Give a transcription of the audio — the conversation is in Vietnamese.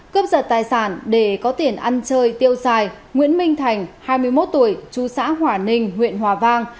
cướp giật tài sản để có tiền ăn chơi tiêu xài nguyễn minh thành hai mươi một tuổi chú xã hòa ninh huyện hòa vang